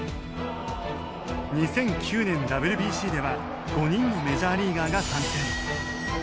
２００９年ＷＢＣでは５人のメジャーリーガーが参戦。